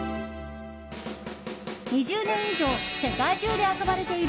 ２０年以上、世界中で遊ばれている